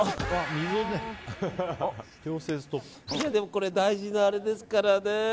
これ、大事なあれですからね。